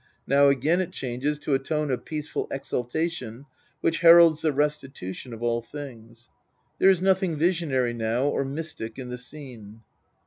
Now again it changes to a tone of peaceful exultation, which heralds the restitution of all things. There is nothing visionary now, or mystic, in the scene.